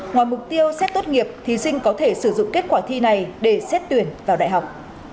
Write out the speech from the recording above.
ngoài mục tiêu xét tốt nghiệp thí sinh có thể sử dụng kết quả thi này để xét tuyển vào đại học